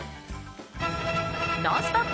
「ノンストップ！」